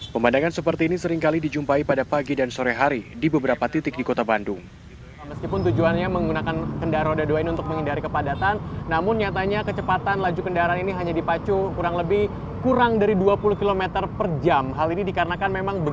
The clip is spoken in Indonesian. pemandangan seperti ini seringkali dijumpai pada pagi dan sore hari di beberapa titik di kota bandung